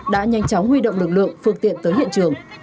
đã nhanh chóng huy động lực lượng phương tiện tới hiện trường